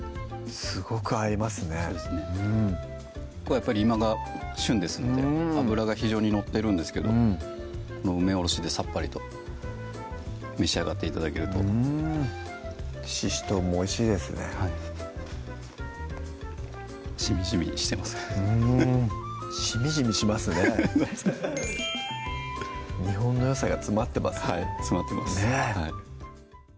やっぱり今が旬ですので脂が非常に乗ってるんですけどこの梅おろしでさっぱりと召し上がって頂けるとししとうもおいしいですねはいしみじみしてますねうんしみじみしますねフフフッ日本のよさが詰まってますねはい詰まってます